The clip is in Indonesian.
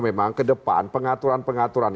memang kedepan pengaturan pengaturan